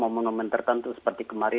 momen momen tertentu seperti kemarin